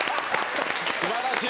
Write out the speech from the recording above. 素晴らしい！